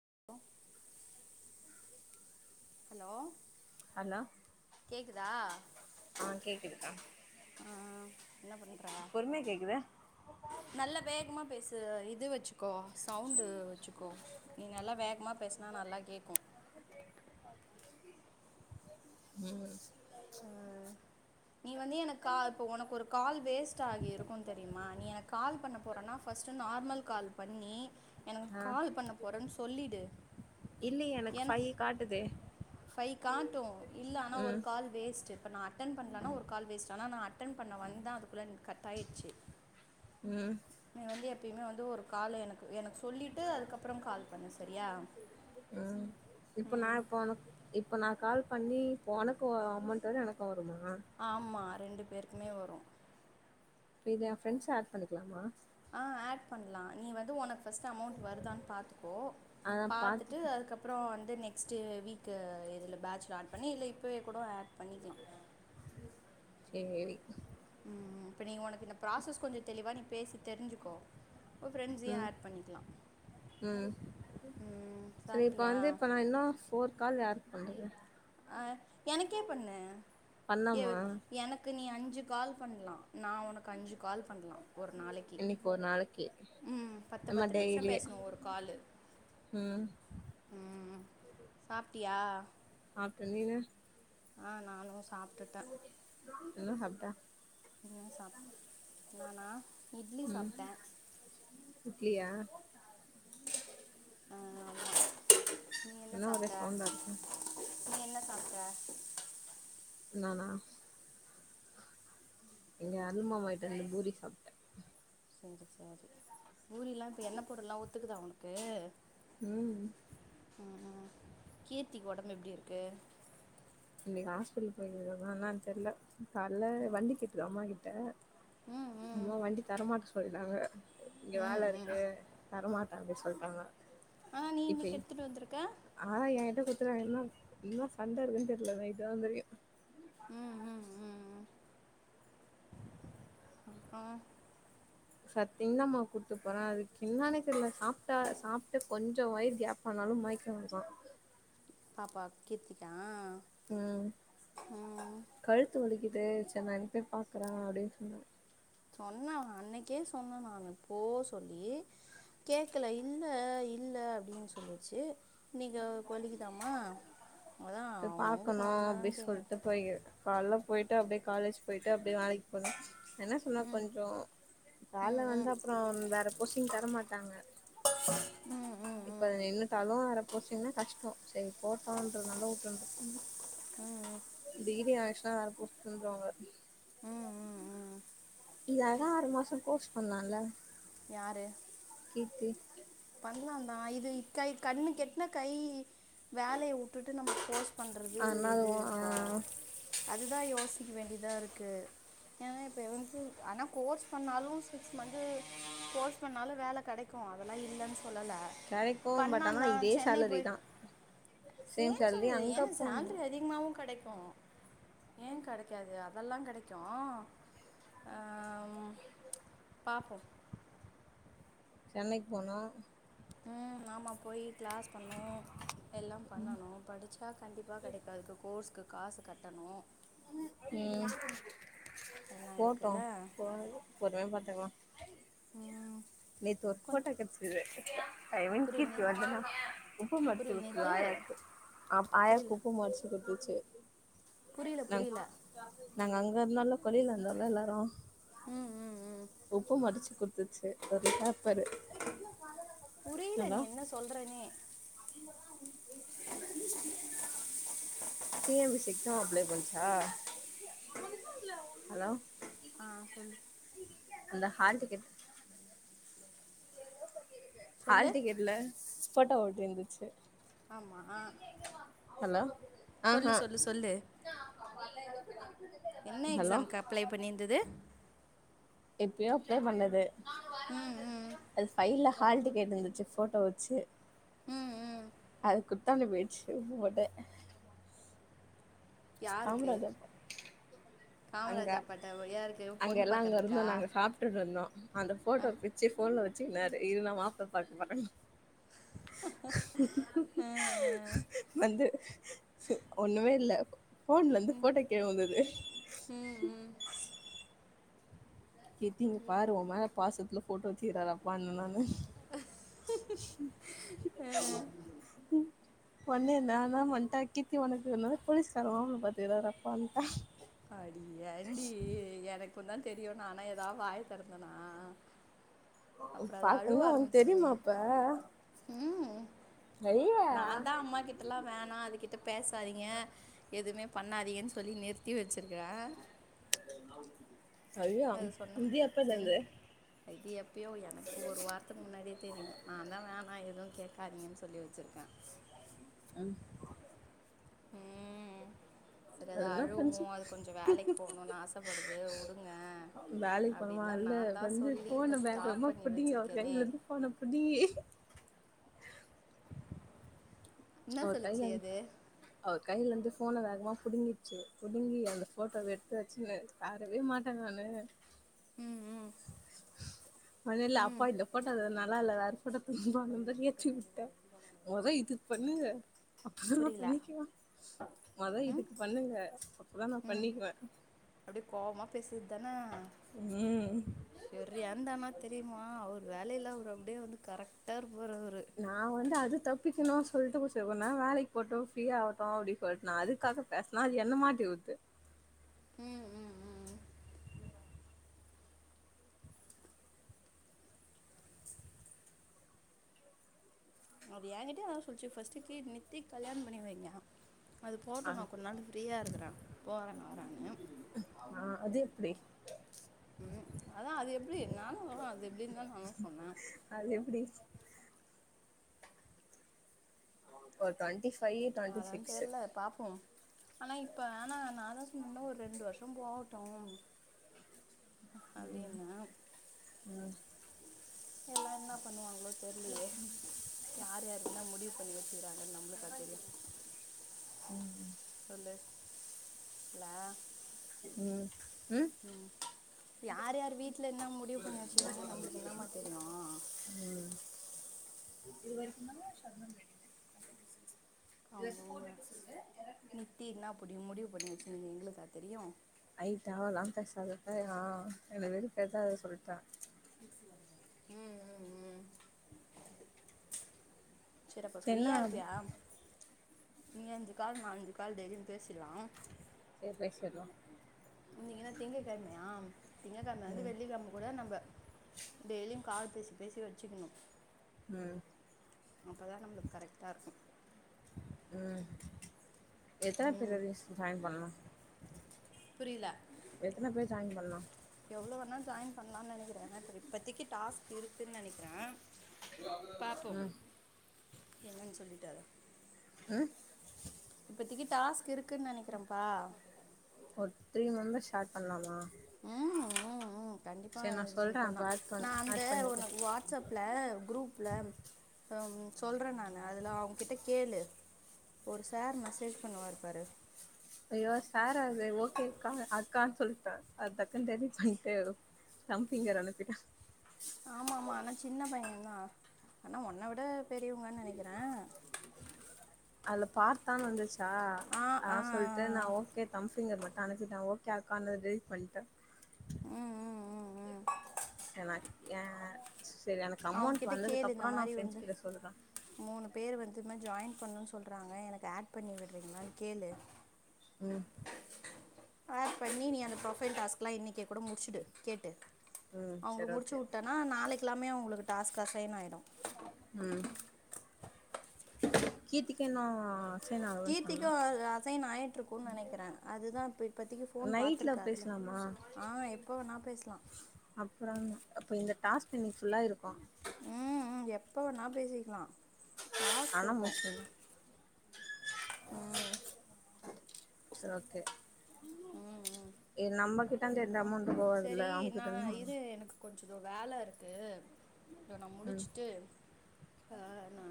[unintelligible] Hello hello கேக் க்கு தா ஆ கேக்குதுக்கா ஆ என்ன பண்ற பொறுமையா கேக்குது நல்ல வேகமா பேசு இது வச்சுக்கோ சவுண்டு வச்சுக்கோ நீ நல்லா வேகமா பேசுனா நல்லா கேக்கூ உம் அ நீ வந்து எனக்கு உனக்கு ஒரு கால் வேஸ்ட் ஆகி இருக்கு தெரியுமா நீ எனக்கு கால் பண்ண போறனா ஃபர்ஸ்ட் நார்மல் கால் பண்ணி எனக்கு கால் பண்ண போறேன்னு சொல்லிடு இல்ல எனக்கு ஃபை காட்டுதே ஃபை காட்டு இல்ல ஆனா ஒரு ம் கால் வேஸ்ட்டு நா அட்டன் பண்ணலனா ஒரு கால் வேஸ்ட ஆன அட்டன் பண்ண வந்த அதுக்குள்ள நி கட்டாயிடுச்சு ம் நீ வந்து எப்பயுமே வந்து ஒரு காலு எனக்கு எனக்கு சொல்லிவிட்டு அதுக்கப்புறம் கால் பண்ணு சரியா உம் இப்ப நா உனக்கு இப் இப்போ நா கால் பண்ணி உனக்கு அமௌண்ட் வரு எனக்கு வரும்மா ஆமா ரெண்டு பேருக்குமே வரு இப்ப இதுல என் ஃப்ரெண்ட்ஸ் ஆட் பண்ணிக்கலாமா ஆஹ் ஆட் பண்ணலாம் நீ வந்து உனக்கு ஃபர்ஸ்ட் அமௌண்ட் வருதான்னு பாத்து ப்போ பாத்துட்டு அதுக்கப்புறம் நெக்ஸ்ட் வீக் இதுல பேட்சல ஆட் பண்ணி இல்ல இப்பவே கூட ஆட் பண்ணிக்களா சேரி உம் இப்ப நீ உனக்கு இந்த ப்ராசஸ் கொஞ்சோ தெளிவா நீ பேசி தெரிஞ்சுக்கோ உன் ஃப்ரெண்ட்ஸையும் உம் ஆட் பண்ணிக்கலாம் உம் செரிப்ப சாப்பிட்டியா வந்து நா இன்னு போர்க்கால் யாரு [unintelligible] அஹ் எனக்கே பண்ணு ஏ பண்ணாமா எனக்கு நீ அஞ்சு அஞ்சு கால் பண்ணலா நா உனக்கு அஞ்சு கால் பண்ணலா ஒரு நாளைக்கு இன்னைக்கு ஒரு நாளைக்கு இம் பத்து நம்ம பத்து நிமிஷம் டெய்லியே பேசணு ஒரு காலு ம் சாப்ட்டியா சாப்பிட்டே நீனு ஆஹ் நானு சாப் விட்டுட்ட என்ன சாப்ட்டா நீ என்ன சாப் நானா இட்லி ம் சாப்ட்ட இட்லியா ஆ ஆமா நீ என்ன ஒரே சாப்ட்ட சவுண்டா இருக்கு நீ என்ன சாப்ட்ட நானா இங்க அருள் மாமா கிட்ட ரெண்டு பூரி சாப்ட்ட சரி சரி பூரிலா இப்ப எண்ணெ பொருள்லா ஒத்துக்குதா உனக்கு ம் ம் ம் கீர்த்திக்கு ஒடம்பு எப்டி இருக்கு இன்னிக் ஹாஸ்பிடல் போய்ருந்துதா என்னன் தெர்ல காலல வண்டி கேட்டுது அம்மா கிட்ட ம் ம் அம்மா வண்டி தரமாட்ட சொல் நாங்க இங்க ம் வேல ம் இருக்கு தரமாட் அப்டி சொல்ட்டாங்க ஆனா நீ இன்னிக் எடுத்துட்டு வந்துருக்க [unintelligible] எல்லா எல்லா சண்ட இருக்குன்ட்டு இல்ல நைட் தா தெரியு உம் உம் உம் உம் அப்றோ சத்திங் தாம்மா கூட்டு போறே அதுக் என்னானே தெர்ல சாப்ட்டா சாப்ட்டு கொஞ்சோ வய்று கேப் ஆனாலு மய்க்கோ வர்தா பாப்பா கீ்ர்த்திக்கா ம் கழுத்து வலிக்கிது இதே சேர் நாளைக் போய் பாக்குறே அப்டின்னு சொன்னாங்க. சொன்னே அன்னைக்கே சொன்ன நானு போ சொல்லி கேக்கல இல்ல இல்ல அப்டீன்னு சொல்லிச்சி இன்னைக் அவளுக் வலிக்கிதாமா போய் பாக்கணு அப்டி சொல்ட்டு போயி கால்ல போய்ட்டு அப்டே காலேஜ் போய்ட்டு அப் எப்டியு வேலைக் போறோ என்ன சொன்னா ம் கொஞ்சோ வேல ம் ம் வந்தப் அப்றோ வேற போஸ்ட்டிங் தரமாட்டாங்க ம் ம் இப்ப ம் நின்னுடாலு வேற போஸ்டிங்னா கஷ்டோ சேரி போட்டோன்றதுனால தா உட்ருன்னுது ம் ம் டிகிரி அஷ் ஆ வேற போஸ்ட் தந்துருவாங்க ம் ம் ம் ம் இல்லானா ஆறு மாச கோர்ஸ் பண்ணலால்ல யாரு கீர்த்தி பண்லாந்தா இது இக்கை கண்ணு கெட்ன கை வேலய உட்டுட்டு நம்ம போஸ் பண்றது ஆனா அது இது பா ஆ அதுதா யோசிக்க வேண்டிதா இருக்கு ஏனா இப்ப எவனுக்கு ஆனா கோர்ஸ் பண்ணாலு சிக்ஸ் மந்து கோர்ஸ் பண்ணாலு வேல கெடைக்கு அதெல்லா இல்லங்ஸ் சொல்லல கெடைக்கு பண்ணா பட் ஆனா நா இதே சென்னை சேலரி போய் தா சேம் சேலரி சொல்லு ஏ அங்க சேல்ரி போனு அதிகமாவு கெடைக் போம் ஏ கெடைக்காது அதெல்லா கெடைக் ஆ பாப்போ சென்னைக்கு போன்னு ம் ஆமா போய் கிளாஸ் பண்ணு எல்லா பண்ணணு படிச்ச கண்டிப்பா கெடைக்கறதுக்கு கோர்ஸ்க்கு காசு கட்டணு ம் எல்லாம் போட்டோ இருக்குல்ல போ பொறுமயா பாத்துக்லா உம் நேத்து ஒரு போட்டோ கெட்ச்சது அது வந் புரியல கீர்த்தி நேத் வந்து உப்பு மொச்சு புரியல குத்துது நேத்து ஆயாக்கு ஆப் புரியல ஆயாக்கு உப்பு மொச்சு குடுத்து ச்சு புரியல புரியல வேறு நல்ல கொழில இருந்தால எல்லாரு ம் ம் ம் உப்பு மடிச்சு குடுத்துச்சு ஒரு சாப்பாடு புரியல என்னா நீ என்ன சொல்கிறனே T M P C exam apply கொல்ச்சா ஆஹ் சொல்லு அந்த ஹால் டிக்கெட் ஹால் சொல்லு டிக்கெட்ல ஃபோட்டோ ஒட்டி இருந்துச்சு ஆமாம் ஆ ஹலோ ஆஹ சொல்லு சொல்லு சொல்லு என்ன எக்ஸாம்க்கு அப்ளே பண்ணியிருந்துது எப்பெயோ அப்ளே பண்ணது ம் ம் அது ஃபைல்ல ஹால் டிக்கெட் இருந்துச்சு போட்டோ வச்சு ம் ம் அது குத்தாண்டு போயிடுச்சு உ போட்ட யாருக்கு சாம்ராஜா அங்க காமராஜா பாட்ட யாருக்கு அங்க பொண்ணு எல்லா அங்க இருந்தோ பார்க்கறதுக்கா நாங்க சாப்டுட்டு இருந்தோ அந்த ஃபோட்டோ விச்சு போன்ல வச் சின்னாரு இரு நா மாப்ள பாக்க போறேன் ஆ ஆ வந்து ஒண்ணுமே இல்ல ஃபோன்ல இருந்து ஃபோட்டோ கீழ உழுந்துது ம் ம் கீர்த்தி இங்க பாரு ஒம்மேல பாசத்துல போட்டோ தி தரப்பனுனானு ஹ ஒட்னே நான்தா வந்ட்டா கீர்த்தி உனக்கு என்ன போலீஸ்கார மாப்ள பாத்துக்கிறாப்பா அடி ஏன்டி எனக் அப்பந்தா தெரியு நானா எதா வாய தெறந்தேனா பாக்குனா ஒண்ணு தெரியுமா அப்ப ம் ஐய நான் தான் அம்மா கிட்டல்லாம் வேணாம் அது கிட்ட பேசாதீங்க எதுவுமே பண்ணாதீங்கன்னு சொல்லி நிறு த்தி வச்சிருக்கறா அ ந [inaudible] அஐா இதுஎப்ந்தியிருந்து ஐ டிே எப் [unintelligible] அப்பயோ எனக்கு ஒரு வாரத்துக்கு முன்னாடியே தெரியும் நான் தான் வேணாம் எதுவும் கேட்காதீங்கன்னு சொல்லி வச்சிருக்கேன் அஹம் உம் சரி அதா என்ன பண்ணுச்சு அழுவோம் அது கொஞ்சம் வேலைக்கு போகணும்னு ஆசைப்படுது விடுங்க வேலைக்கு போனமா அப்படின்னுலாம் இல்ல நான் தான் வந்து சொல்லி இப்ப போன பேக் ஸ்டாப் வேகமா பண்ணி புடிங்கி அவர் வச்சிருக்கேனே கையில இருந்து போன புடிங்கி என்ன அவ சொல்லுச்சு கைலந்து அது அவ கைலந்து ஃபோன வேகமாக பிடுங்கிடுச்சு பிடுங்கி அந்த ஃபோட்டோவை எடுத்து வச்சுன்னு தரவே மாட்டேன் நான் உம் மொதல்ல அப்பா இந்த போட்டோல நா நல்லா இல்ல வேற படத்தப நா ஏற்றி விட்டேன் மொதா இது பண்ணு அப்பதான் நான் புரில பண்ணிக்கலாம் மொத ம் இதுக்கு பண்ணுங்க அதான் நான் ம் பண்ணிக்குவேன் அப்டியே கோவமா பேசுது தான செரியானதமாத் தெரியுமா அவர் வேலில ஒரு அப்படியே வந்து கரெக்ட் த [unintelligible] நான் வந்து அது தப்பிக்கணும் சொல்லிட்டு கொச்சக்கனா வேலைக்கு போட்டோம் ஃப்ரீயா ஆகட்டும் அப்படின்னு சொல்லிட்டு நான் அதுக்காக பேசனா அது என்ன மாட்டி ஊத்து உம் உம் உம் அப்படி என்கிட்ட அத சொல்லுச்சு ஃபஸ்ட்டுக்கு நித்தி கல்யாண பண்ணி வைங்க அது ஆ போட்டும் நான் கொஞ்ச நாள் ஃப்ரீயா இருக்கறேன் போறேன் வரேனு ஆ அது எப்டி உம் அதான் அது எப்படி நானும் அது எப்படி இருந்தான் நானும் சொன்னேன் அது எப்டி ஒரு டுவெண்ட்டி ஃபைவ் தான்டி அதா சிக்ஸ் தெர்ல பாப்போ ஆனா இப்ப ஆனா நான் தான் சொன்னேன்ல ஒரு ரெண்டு வருஷம் போவேட்டும் ம் ம் எல்லாம் என்ன பண்ணுவாங்ளோ தெரிலயே யார் யார்ருனா முடிவு பண்ணி வச்சிக்கிறாங்கன்னு நம்மளுக்குகா தெரியும் ம் சொல்லு லா ம்ஹ் ம் யார் யார் வீட்ல என்ன முடிவு பண்ணி வச்சுக்கிறாங்க நம்மளுக்கு என்னமா தெரியு இது வரைக்குதாமா சொந்தம் வேண்டிருக்கு ஆங் போங்க நித்தி என்னாபுடிம் முடிவு பண்ணி வச்சிருந்தது எங்களுக்குகா தெரியு ஹைட்டா லாங்சைஸ் நோட்டு வேணும் என்ன வெறுப்பேத்தாத சொல்லிட்டேன் ம் ம் ம் சரி அப்ப செரின்னா ஃப்ரீயா இருப்பியா நீ அஞ்சு கால் நா அஞ்சு கால் டெய்லி பேசிடலாம் செரி பேசிடலாம் இன்னைக்கு என்ன திங்க கெழமையா திங்க கெழம வந்து ம் வெள்ளிக் கெழம கூட நம்ம டெய்லியும் கால் பேசி பேசி வச்சுக்கணு ம் அப்பதான் நம்மளுக்கு கரெக்டா இருக்கு ம் எத்துன ம் பிரியட்ஸ்க்கு ஜாய்ன் பண்ணணும் புரியல எத்துன பேர் ஜாய்ன் பண்ணணும் நான் ஜாய்ன்ட் பண்ணலான்னு நெனைக்கிறேன் ஆனா இப்பதைக்கு டாஸ்க் இருக்குனு நெனைக்கிறேன் இது வாங்குறதுக்கு காசு ம் என்னன்னு சொல்லிட்டாரு ம் இப்பதைக்கு டாஸ்க் இருக் இருக்குன்னு நெனைக்கிறேன்ப்பா ஒரு த்ரீ மெம்பர்ஸ் ஷார்ட் பண்ணலாமா ம் ம் ம் கண்டிப்பா சரி நான் இது சொல்றே அப்ப பண்ணலாம் ஆட் பண் நான் அந்த ஆட் பண்ணுது ஒன்னு வாட்ஸ்ப்ல குரூப்ல ம் சொல்றேன் நானு அதுல அவங்ககிட்ட கேளு ஒரு சார் மெசேஜ் பண்ணுவாரு பாரு ஐயோ சார அது ஓகேக்கா அக்கான்னு சொல்லிட்டேன் அது டக்குன்னு தெரிஞ்சி பண்ணிட்டேன் எதோ தம்ப் பிங்கர் அனுப்பிட்டேன் ஆமா ஆமா ஆனா சின்ன பையன் தான் ஆனா உன்னை விட பெரியவங்கன்னு நெனைக்கிறேன் அதுல பார்த்தான்னு வந்துச்சா ஆ ஆ ஆ. ஆஹ் சொல்ட்டு நான் ஓகே தம்ப் ஃபிங்கர் மட்டும் அனுப்பிட்டேன் ஓ அக்கான்னு டெலேட் பண்ட்டேன் உஹம் உம் உம் உம் செலக்யா அவுங்க கிட்ட கேளு இந்த மாரி ஃப்ரெண்ட்ஸ் வந்து கிட்ட சொல்றே மூணு பேரு வந்து இந்மாரி ஜாயின் பண்ணும்னு சொல்றாங்க எனக்கு ஆட் பண்ணி விட்றீங்களானு கேளு உம் ஆட் பண்ணி நீ அந்த ப்ரொஃபைல் டாஸ்க்லாம் இன்னைக்கே கூட முடிச்சுடு கேட்டு ம் அவுங்க சரி முடிச்சு ஓகே உட்டனா நாளைக் கு எல்லாமே உங்களுக்கு டாஸ்க் அசைன் ஆயிடு உம் கீர்த்திக்கு இன்னும் அச கீர்த்திக்கும் அ அசைன் ஆயிட்ருக்கும்னு நெனைக்கிறே அதுதா இப்ப இப்பத்திக்கு ஃபோன் நைட்ல பாத்திருக்காது பேசலாமா ஆஹ் எப்ப வேணா பேசலாம் அப்புறங்க அப்போ இந்த டாஸ்க் இன்னைக்கு ஃபுல்லா இருக்கோ உம் எப்ப வேணா பேசிக்கலா டாஸ்க் ஆனா இருக்கோ முடிச்சிடனு உம் சேர் ஓக்கே ம் ம் ஏ நம்ம கிட்ட இருந்து எந்த அப்புறம் அமௌண்ட்டும் போகாதுல்ல சரி அவுங்ககிட்ட நான் இருந்துதா வரோ இது எனக்கு கொஞ்சம் இதோ வேல இருக்கு இதே நா ம் முடிச்சுட்டு ஆஹ் நா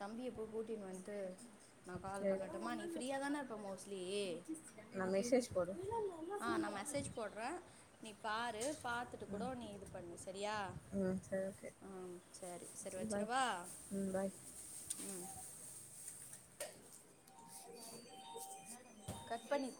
தம்பிய போ கூட் கூட்டினு வந்து சேரி மோஸ்ட்லி நா மெசேஜ் போடு ஆஹ் நா மெசேஜ் போடுறே நீ பாரு பாத்துட்டு கூட நீ இது பண்ணு சேரியா ம் சரி ஓகே ஆஹ் சேரி சேரி சரி பாய் வெச்சுரவா ம் பாய் உம் கட் பண்ணிரு